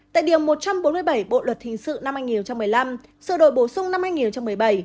tại điều một trăm bốn mươi bảy bộ luật hình sự năm hai nghìn một mươi năm sự đổi bổ sung năm hai nghìn một mươi bảy